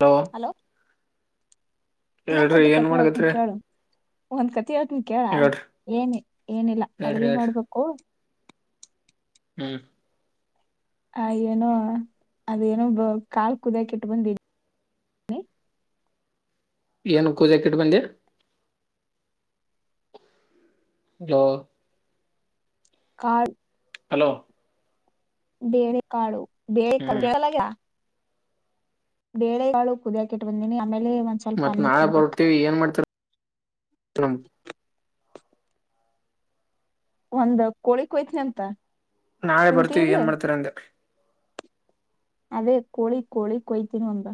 Hello ಅನ್ನ ಹೇಳ್ರಿ ಕೊಟ್ಟಿ ಏನ್ ಕತೆ ಹೇಳ್ತನಿ ಮಾಡಕತ್ರಿ ಕೇಳು ಒಂದ್ ಕಟ್ಟ ಪ್ರತ ಹನ ಕೇಳ ಹೇಳ್ರಿ ಏನ್ ಏನಿಲ್ಲ ಹೇಳ್ರಿ ಅಡಗೆ ಹೇಳ್ರಿ ಮಾಡ್ಬೇಕು ಹ್ಮ್ ಆ ಏನೋ ಅದೇನೋ ಬ ಕಾಲ್ ಕುದಿಯಕ ಇಟ್ಟ ಬಂದ ಏನು ಪೂಜಾಕಿಟ್ ಬಂದ್ಯಾ ಜೋ ಕ ಹಲೋ ಬೇರೆ ಕಾಳು ಬೇರೆ ಕಾಳು ಹ್ಮ್ [inaudible] ಬೇಳೆ ಯಾಳು ಕುದಿಯಕ ಇಟ್ ಬಂದೀನಿ ಮತ್ತ್ ನಾಳೆ ಬರ್ತೇವಿ ಏನ್ ಮಾಡ್ತರ, ಒಂದ್ ಕೋಳಿ ಹೋಯ್ತನಿ ಅಂತ, ನಾಳೆ ತಿಂತಿ ಬರ್ತೀವಿ ಇಲ್ಲ ಏನ್ ಮಾಡ್ತರ ಅಂದೆ, ಅದೇ ಕೋಳಿ ಕೋಳಿ ಕೊಯ್ತನ ಅಂತ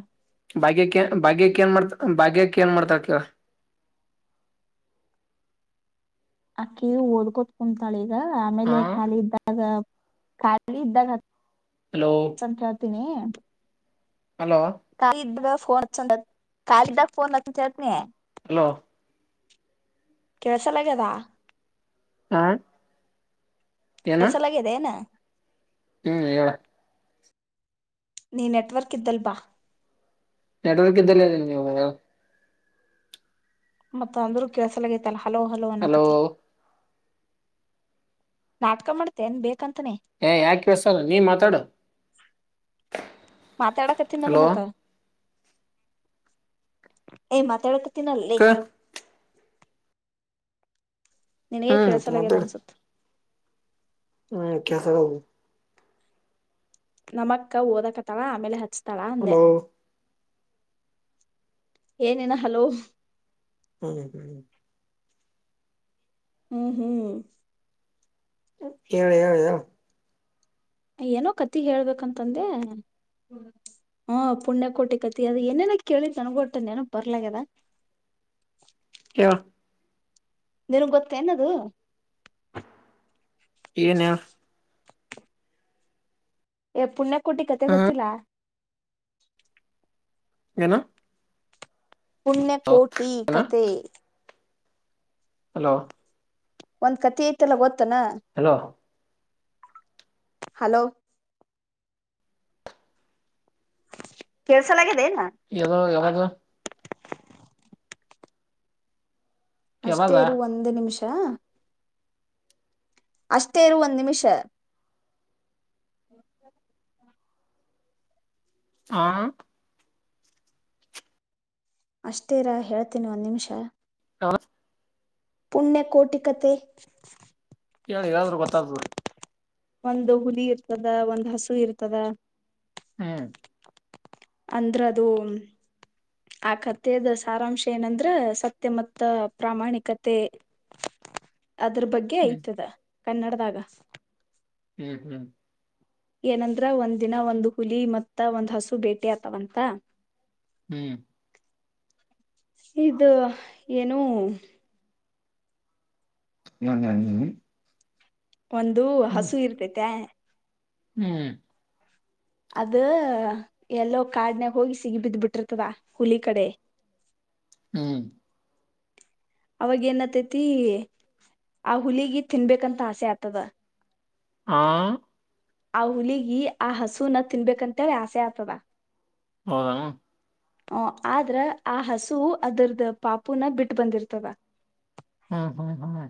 ಭಾಗ್ಯಕ್ಕೆ ಭಾಗ್ಯಕ್ಕೆ ಏನ್ ಮಾಡ್ತ ಭಾಗ್ಯಕ್ಕೆ ಏನ್ ಮಾಡ್ತಾರ. ಅಕ್ಕಿ ಓದಕೊತ್ ಕುಂತಾಳೆ ಹಾ ಆಮೇಲೆ ಖಾಲಿ ಇದ್ದಾಗ. ಖಾಲಿ ಇದ್ದ ಹಲೋ ಸ ಕೇಳ್ತೀನಿ. ಹ ಹಲೋ [unintelligible] ಫೋನ್ಂದ ಕಾಲದಾಗ ೋನ್ ಲ ಚತ ನೀ ಹಲೋ ಕೆಲಸಲ್ಲಗದಾ ಹಾ ಏನ ಕಸಲ್ಲಗತೆನಾ ಹ್ಮ್ ಹೇಳ ನೀ ನೆಟ್ವರ್ಕ್ ಇ್ದಲ್ ಬಾ ನೆಡ್ವರ್ಕ್ ಇದ್ದಲ್ಲಿ ಅಿ ನೀವು ಮತ್ತ ಅಂದ್ರೂ ಕೆಲಸಲಾಗೈತಲ್ಲಾ. ಹಲೋ ಹಲೋ ಅನಾಕತಿ ನಾಟಕ ಮಾಡ್ತೇ ನ್ ಬೇಕು? ಏ ಯಾಕ್ ಕೆಲ್ಸದ ನಿನ್ ಮಾತಾಡು ಮಾತಾಡಕತ್ತಿನಲ್ಲ ಹಲೋ ಮತ್ತ ಹೇ ಮಾತಾಡ್ ತಿನಲ್ಲೇ ನಿನಗೆ ಹ್ಮ್ ಕೇಳಸಲಗ್ಯದ ಮಾತಾಡು ಅನ್ಸುತ್ತ ಹ್ಮ್ ಕೆಲಸದವು ನಮಕ್ಕ ಓದಕತ್ತಳ ಆಮೇಲೆ ಹಚ್ತ ತಳ ಅಂದೇ ಹಲೋ ಏನೇನಾ ಹಲೋ ಹ್ಮ್ ಹ್ಮ್ ಹ್ಮ್ ಹ್ಮ್ ಹೇಳ ಹೇಳ ಹೇಳ ಏನೋ ಕತಿ ಹೇಳ್ಬೇಕಂತಂದೆ ಹು ಪುಣ್ಯಕೋಟಿ ಕತಿ ಅದ ಏನೇನ ಕೇಳಿದೆ ನನಗು ಅಟ್ಟೆ ನೆನಪುಬರಲಾಗದ ಹ ನಿನ್ನಗೆ ಗೊತ್ತೇನದು ಏನ್ ಹೇಳು ಹೇ ಪುಣ್ಯಕೋಟಿ ಕೋಟಿ ಕತೆೆ ಹ್ಮ ಗೊತ್ತಿಲ್ಲ ಏನು ಪುಣ್ಯಕೋಟಿ ಏನ ಕತೆ ಹಲೋ ಒಂದ್ ಕತೆ ಐತೆಲ್ಲ ಗೊತ್ತ ತಾನಾ ಹಲೋ ಹಲೋ ಕೆಳಸಲಾಗದೆನು ಯದೋ ಯಾವಾಗ ಅಷ್ಟೇ ಯಾವಾಗ ಇರು ಒಂದು ನಿಮಿಷ [inaudible] ಅಷ್ಟೇ ಇರು ಒಂದ್ ನಿಮಿಷ ಹಾ ಅಷ್ಟೇರಾ ಹೇಳ್ತೀನಿ ಒಂದ್ ನಿಮಿಷ ಹಾ ಪುಣ್ಯಕೋಟಿ ಕತೆ ಹೇಳು ಹೇಳಿದ್ರೆ ಗೊತ್ತಾಗುತ್ತೆ ಒಂದು ಹುಲಿ ಇರ್ತದ ಒಂದು ಹಸು ಇರ್ತದ ಹ್ಮ್ ಅಂದ್ರ ಅದು ಆ ಕಥೆದ ಸಾರಾಂಶ ಏನಂದ್ರ ಸತ್ಯ ಮತ್ತ ಪ್ರಾಮಾಣಿಕತೆ ಅದ್ರ ಬಗ್ಗೆ ಆಯ್ತದ ಕನ್ನಡದಾಗ ಹ್ಮ್ ಹ್ಮ್ ಏನಂದ್ರ ಒಂದ ದಿನ ಒಂದು ಹುಲಿ ಮತ್ತ ಒಂದ್ ಹಸು ಬೇ ಹ್ಮ್ ಇದು ಏನೂ ಹ್ಮ ಹ್ಮ ಹ್ಮ್ ಒಂದು ಹ್ಮ್ ಹಸು ಇರ್ತೈತೆ ಹ್ಮ್ ಅದ ಎಲ್ಲೋ ಕಾಡ್ನಾಗ ಹೋಗಿ ಸಿಗಿ ಬಿದ್ದ್ ಬಿಟ್ಟಿರ್ತದ ಹುಲಿ ಕಡೆ ಹ್ಮ್ ಅವಾಗ ಏನ್ತಾಯಿತಿ ಆ ಹುಲಿಗಿ ತಿನ್ಬೇಕಂತ ಆಸೆ ಆತದ ಆಂ ಆ ಹುಲಗಿ ಆ ಹಸುನ ತಿನ್ಬೇಕಂತೇಳ ಆಸೆ ಆಗ್ತದ ಹೌದು ಹ ಆದ್ರ ಆ ಹಸು ಅದ್ರದ ಪಾಪುನ ಬಿಟ್ಟ ಬಂದಿರ್ತದ ಹ್ಮ್ ಹ್ಮ್ ಹ್ಮ್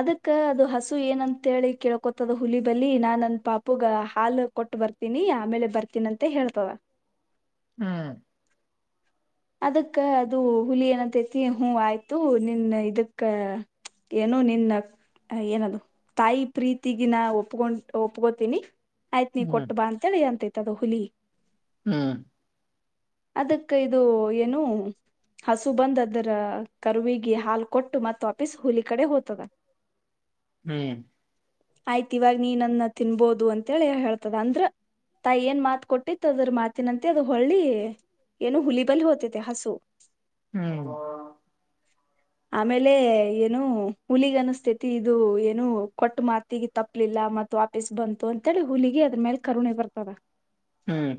ಅದಕ್ಕ ಅದು ಹಸು ಏನಂತಿ ಕೇಳ್ಕೊತದ ಹುಲಿ ಬಲಿ ನಾನ್ ನನ್ ಪಾಪುಗ ಹಾಲು ಕೊಟ್ಟ ಬರ್ತೀನಿ ಆಮೇಲೆ ಬರ್ತೀನಿ ಅಂತ ಹೇಳ್ತವ ಹ್ಮ್ ಅದಕ್ಕ ಅದು ಹುಲಿ ಏನಂತೇತಿ ಹುಂ ಆಯ್ತು ನಿನ್ನ ಇದಕ್ಕ ಏನು ನಿನ್ನ ಏನದು ತಾಯಿ ಪ್ರೀತಿಗಿನಾ ಒಪ್ಕೊಂಡ ಒಪ್ಕೋತೀನಿ ಆಯ್ತ್ ನೀ ಕೊಟ್ಟ ಹ್ಮ್ ಬಾ ಅಂತೇಳಿ ಅಂತಯಿತ್ ತದು ಹುಲಿ ಹ್ಮ್ ಅದಕ್ಕ ಇದು ಅದು ಏನು ಹಸು ಬಂದ ಅದರ ಕರುವಿಗೆ ಹಾಲು ಕೊಟ್ಟು ಮತ್ತ ವಾಪೀಸ್ ಹುಲಿ ಕಡೆ ಹೋಯಿತದ ಹ್ಮ್ ಆಯ್ತು ಇವಾಗ ನೀನನ್ನ ತಿನ್ಬೋದು ಅಂತೇಳಿ ಹೇಳ್ತದ ಅಂದ್ರ ತಾಯಿ ಏನ್ ಮಾತ ಕೊಟ್ಟಿತ್ತು ಅದ್ರ ಮಾತಿನಂತೆ ಅದ ಹೊಳ್ಳಿ ಏನು ಹುಲಿ ಬಲ್ ಹೋತಾಯಿತೇ ಹಸು ಹ್ಮ್ ಅಮೇಲ್ ಹ್ಮ್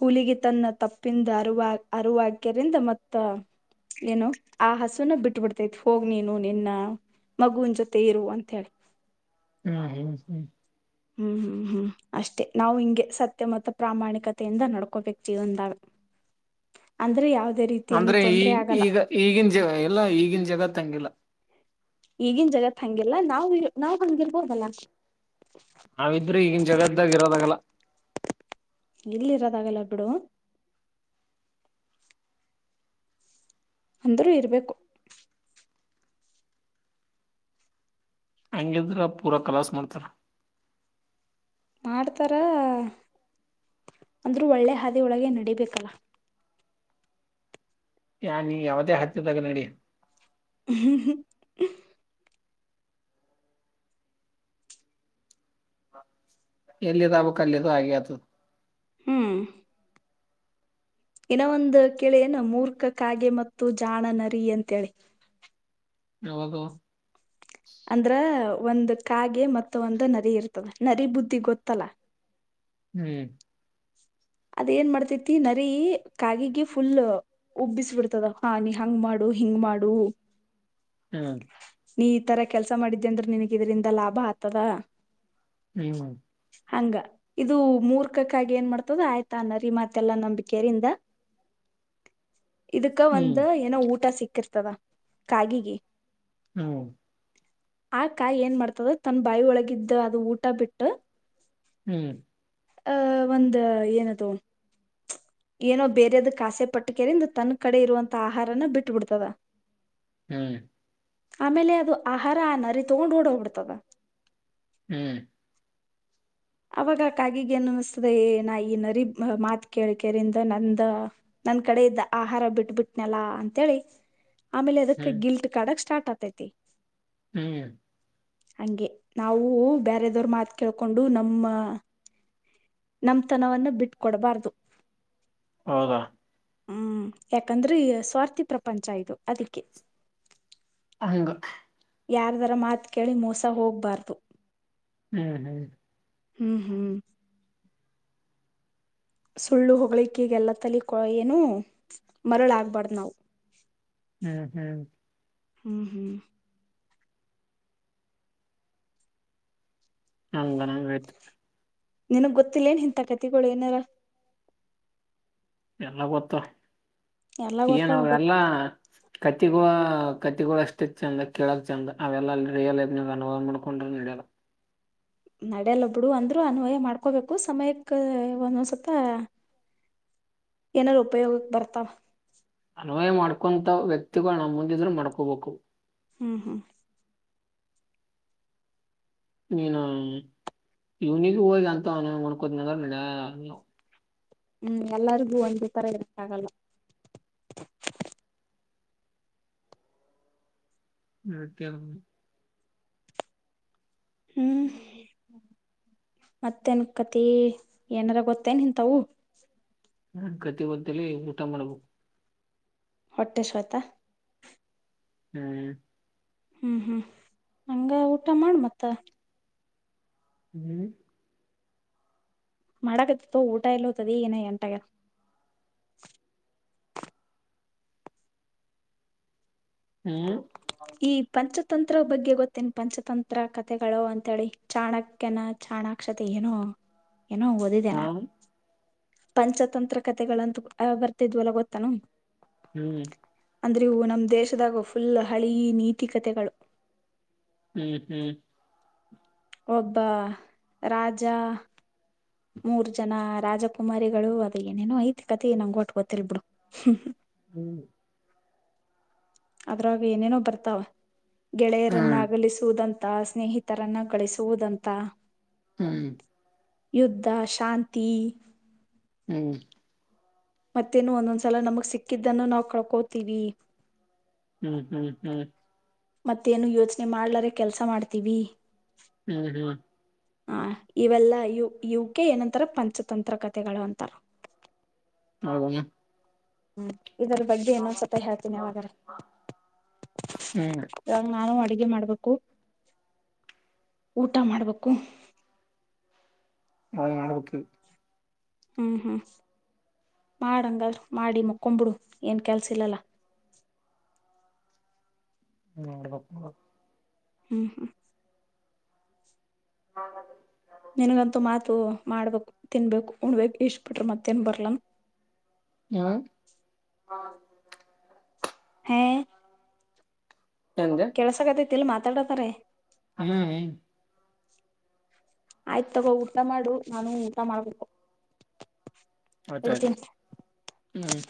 ಹುಲಿಗೆ ತನ್ನ ತಪ್ಪಿಂದ ಅರುವ ಅರುವರುವಕ್ಯದಿಂದ ಮತ್ತ ಏನು ಆ ಹಸುನ ಬಿಟ್ಬಿಡ್ತೈತಿ ಹೋಗ ನೀನು ನಿನ್ನ ಮಗುವನ್ ಜೊತೆ ಇರು ಅಂತ ಹೇಳಿ ಹ್ಮ ಹ್ಮ ಹ್ಮ ಹ್ಮ್ ಹ್ಮ್ ಹ್ಮ್ ಅಷ್ಟೇ ನಾವು ಹಿಂಗೆ ಸತ್ಯ ಮತ್ತು ಪ್ರಾಮಾಣಿಕತೆಯಿಂದ ನಡ್ಕೋಬೇಕ್ ಜೀವನ್ದಾಗ ಅಂದ್ರೆ ಯಾವ ಅಂದ್ರೆ ಈ ಈಗ ಈಗಿನ್ ಜ ಎಲ್ಲ ಈಗಿನ್ ಜಗತ್ ಹಂಗಿಲ್ಲ ಈಗಿನ್ ಜಗತ್ ಹಂಗಿಲ್ಲ ನಾವು. ನಾವ್ ಹಂಗಿರಬಹುದಲ್ಲ ನಾವಿದ್ರೂ ಈಗಿನ್ ಜಗದ್ದಾಗಿ ಇರೋದಾಗಲ್ಲ ಇಲ್ಲಿ ಇರೋದಾಗಲ್ಲ ಬಿಡು ಅಂದ್ರೂ ಇರ್ಬೇಕು ಹಂಗಿದ್ರ ಪೂರಾ ಕಲಾಸ್ ಮಾಡ್ತಾರ ಮಾಡ್ತಾರ ಅಂದ್ರರು ಒಳ್ಳೆ ಹಾದಿಯೋಳಗೆ ನಡೀಬೇಕಲ್ಲ ಯಾ ನೀ ಯಾವುದೇ ಹಟ್ದಾಗ ನಡಿ ಹ್ಮ ಹ್ಮ ಎಲ್ಲಿದ್ ಆಗ್ಬೇಕ್ ಅಲ್ಲಿದು ಅಗೆ ಆಗ್ತದ್ ಹ್ಮ್ ಇನ್ನ ಒಂದು ಕೆಳ ಏನು ಮೂರ್ಖ ಕಾಗೆ ಮತ್ತು ಜಾಣ ನರಿ ಅಂತೇಳಿ ಯಾವದು ಅಂದ್ರ ಒಂದ ಕಾಗೆ ಮತ್ತ ಒಂದು ನರಿ ಇರ್ತದ ನರಿ ಬುದ್ಧಿ ಗೊತ್ತಲ್ಲ ಹ್ಮ್ ಅದ ಏನ್ ಮಾಡ್ತೇತಿ ನರಿ ಕಾಗಿಗೆ ಫುಲ್ ಉಬ್ಬಿಸ ಬಿಿಡ್ತದ ಹಾ ನೀ ಹಂಗ ಮಾಡು ಹಿಂಗ ಮಾಡು ಹ್ಮ ನೀ ಈ ತರ ಕೆಲ್ಸ ಮಾಡಿದ್ದೆ ಅಂದ್ರ ನಿನಗೆ ಇದರಿಂದ ಲಾಭ ಆತದ ಹ್ಮ ಹಂಗ ಇದು ಮೂರ್ಖಕ್ಕಾಗಿ ಏನ್ ಮಾಡ್ತದ ಆಯ್ತ ತಾನರಿ ಮತ್ತೆಲ್ಲಾ ನಂಬಿಕೆಯರಿಂದ ಇದಕ್ಕ ಹ್ಮ್ ಒಂದು ಏನೋ ಊಟ ಸಿಕ್ ಹಕಿರ್ತದ ಕಾಗಿಗ ಹ್ಮ ಆಕಿ ಏನ್ ಮಾಡ್ತದ ತನ್ ಬಾಯಿ ಒಳಗಿದ್ದ ಅದು ಊಟ ಬಿಟ್ಟು. ಹ್ಮ್ ಅಹ ಒಂದ ಏನ ದೊನ್ ಏನೋ ಬೇರೆಯದ ಕಾಸೆಪಟ್ಟು ಕೆರಿಿಂದ ತನ್ನ ಕಡೆ ಇರುವಂಥ ಆಹಾರನ ಬಿಟ್ಟುಬಿಡ್ತದ ಹ್ಮ್ ಆಮೇಲೆ ಅದು ಆಹಾರ ನರಿ ತಗೊಂಡ್ ಓಡ ಹೋಗ್ಬಿಡ್ತದ, ಹ್ಮ್ ಅವಾಗ ಕಾಗಿಗ ಏನ್ ಅನಿಸತದೆ ಏ ನಾ ಈ ನರಿ ಮಾತ ಕೇಳ್ಿಕರಿಂದ ನಂದ ನನ್ ಕಡೆ ಇದ್ದ ಆಹಾರ ಬಿಟ್ಬಿಟ್ನಲ ಅಂತೇಳಿ ಆಮೇಲೆ ಅದಕ್ ಹ್ಮ್ ಗಲ್ಟ್ ಕಡಕ್ ಸ್ಟಾರ್ಟ್ ಆತ ಪತ್ತತಿ ಹ್ಮ್ ಹಂಗೆ ನಾವು ಬೇರೆದವರ್ ಮಾತ್ ಕೇಳ್ಕೊಂಡು ನ ನಮ್ಮ ನಮ್ತನವನ್ನ ಬಿಟ್ಟಕೊಡ್ಬಾರ್ದು, ಹೌದಾ ಹ್ಮ್ ಯಾಕಂದ್ರೆ ಸ್ವಾರ್ಥಿ ಪ್ರಪಂಚ ಇದು ಅದಕ್ಕೆ ಹ ಯಾರದರ ಮಾತ ಕೇಳಿ ಮೋಸ ಹೋಗ್ಬಾರ್ದು ಹ್ಮ್ ಹ್ಮ್ ಹ್ಮ್ ಹ್ಮ್ ಸುಳ್ಳು ಹೊ್ಲಿಿಕಗೆಲ್ಲ ತಲಿ ಏನು ಮರಳ ಆಗ್ಬಾರಡ್ದ್ ನಾವ್ ಹ್ಮ್ ಹ್ಮ್ ಹ್ಮ್ ಹ್ಮ್ ಹಲ್ಲ ನಂಗ ಆಯ್ತು ನಿನಗ್ ಗೊತ್ತಿಲ್ಲ ಏನ್ ಇಂಂತ ಕತಿಗ ಏನಾರ ಎಲ್ಲ ಗೊತ್ತ ಎಲ್ಲ ಏನ ಗೊತ್ತಾವ ಅವಲ್ಲ ಕತ್ತಿಗಳು ಕತ್ತಿಗಳು ಅಷ್ಟೇ ಚಂದ ಕಳಕ್ ಚೆಂದ ಅವೆಲ್ಲ ಅಲ್ಲಿ ರಿಯಲ್ ೈಫ್ ಅನವ ಮಾಡ್ಕೊಂಡ್ರ ನಡ್ಯಲ್ಲ ನಡೆಯಲ್ಲೊಬ್ಡು ಅಂದ್ರು ಅನ್ವಯ ಮಾಡ್ಕೋಬೇಕು ಸಮಯಕ್ ಒಂದೊಂದ್ಸತ ಏನಾದ್ರು ಉಪಯೋಗಕ್ ಬರ್ತಾವ ಅನ್ವಯ ಮಾಡ್ಕೊಂತ ವ್ಯಕ್ತಿಗಳು ನಮ್ ಮುಂದಿದ್ರು ಮಾಡ್ಕೋಬೇಕು ಹ್ಮ್ ಹ್ಮ್ ನೀನು ಇವನಿಗೆ ಹೋಗಿ ಅಂತ ನ್ಕೋತಿ ಅಂದ್ರ ನಡ ನೀವು ಹ್ಮ್ ಎಲ್ಲರಿಗೂ ಒಂದು ತರ ಇಕ್ಕಾಗಲ್ಲ ಅತ ಹ್ಮ್ ಮತ್ತೆನ್ಕತಿ ಏನಾರ ಗೊತ್ತೇನಂತವು ನ ಗತಿ ಬಂತಲಿ ಊಟ ಮಾಡ್ಬೇಕು ಹೊಟ್ಟೆೇಶತ ಹ್ಮ್ ಹ್ಮ್ ಹ್ಮ್ ಹಂಗ ಊಟ ಮಾಡ ಮತ್ತ ಹ್ಮ್ ಮಾಡಕತ್ತತೋ ಊಟ ಇಲ್ತದ ಏನ ಎಂಟಾಗ ಹ್ಮ್ ಈ ಪಂಚ ತಂತ್ರ ಬಗ್ಗೆ ಗೊತ್ತೇನ ಪಂಚತಂತ್ರ ಕಥೆಗಳು ಅಂತೇಳಿ ಚಾಣಕ್ಯನ ಚಾಣಾಕ್ಷತೆ ಏನು ಏನೋ ಹಾ ಓದಿದೆನಾ ಪಂಚತಂತ್ರ ಕತೆೆಗಳಂತೂ ಬರ್ತಿದ್ವಲ ಗೊತ್ತಾನ ಹ್ಮ್ ಅಂದ್ರೆ ಇವು ನಮ್ ದೇಶದಾಗ ಫುಲ್ ಹಳೆಯ ನೀತಿಕತೆಗಳು ಹ್ಮ್ ಹ್ಮ್ ಒಬ್ಬ ರಾಜ ಮೂರ್ ಜನ ರಾಜಕುಮಾರಿಗಳು ಅದ ಏನೇನೋ ಐತಿ ಕತಿ ನಂಗು ಅಟ್ ಗೊತ್ತಿಲ್ಲ ಬಿಡು ಹ್ಮ್ ಅದ್ರಾಗ ಏನೇನೋ ಬರ್ತಾವ ಗೆಳೆಯರನ್ನ ಹ್ಮ್ ಅಗಲಿಸುವುದಂತೆ ಸ್ನೇಹಿತರನ್ನ ಗಳಿಸುವುದಂತ ಹ್ಮ್ ಯುದ್ಧ ಶಾಂತಿ ಹ್ಮ್ ಮತ್ತೇನು ಒಂದೊಂದ್ಸಲ ನಮಗ್ ಸಿಕ್ಕಿದ್ದನ್ನು ನಾವು ಕಳ್ಕೋತೀವಿ ಹ್ಮ್ ಹ್ಮ್ ಹ್ಮ್ ಮತ್ತೇನು ಯೋಚನೆ ಮಾಡ್ಲರೆ ಕೆಲಸ ಮಾಡ್ತೀವಿ ಹ್ಮ್ ಹ್ಮ್ ಹ ಇವೆಲ್ಲ ಯವು ಕೆ ಏನಂತಾರ ಪಂಚತಂತ್ರ ಕತೆೆಗಳು ಅಂತಾರ ಹೌದೇನು ಹ್ಮ್ ಇದರ ಬಗ್ಗೆ ಇನೊಂದ್ಸತ್ತ ಹೇಳ್ತೀನಿ ಯಾವಾದ್ರ ಹ್ಮ್ ಇವಾಗ ನಾನು ಅಡಿಗೆ ಮಾಡ್ಬೇಕು ಊಟ ಮಾಡ್ಬೇಕು ನಾನ್ ಮಾಡಬೇಕು ಈಗ ಹ್ಮ್ ಹ್ಮ್ ಮಾಡಹಾಗದ್ರಾ ಮಾಡಿ ಮುಕ್ಕೊಂಬಿಡು ಏನ್ ಕೆಲ್ಸ ಇಲ್ಲಲ್ಲ ಮಾಡಬೇಕು ಹ್ಮ್ ಹ್ಮ್ ಹೌದು ನಿನಗಂತೂ ಮಾತು ಮಾಡ್ಬೇಕು ತಿನ್ಬೇಕು ಉಣಬೇಕು ಇಷ್ಟ ಬಿಟ್ರೆ ಮತ್ತೇನ್ ಬರ್ಲನ್ ಹ ಹಾಂ ಎಂದೆ ಕೆಲ್ಸಕತೈತಿ ಇಲ್ಲಿ ಮಾತಾಡತಾರೆ ಹ್ಮ್ ಹ್ಮ್ ಆಯ್ತು ತಗೋ ಊಟ ಮಾಡು ನಾನು ಊಟ ಮಾಡ್ಬೇಕು ಆಯಿತು ಇಡ್ತೀನಿ. ಆಯಿತು ಹು